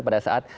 oke baik baik